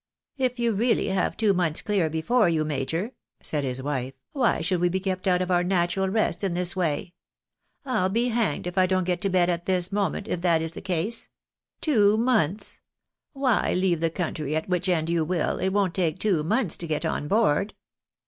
"If you really have two months clear before you, major," said his wife, " why should wo be kept out of our natural rest in this way? I'll be hanged if I don't get to bed this moment, if that is the case. Two months ! Why, leave the country at which end you will, it won't take two months to get on board."